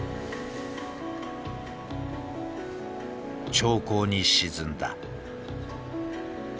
長考に沈んだ。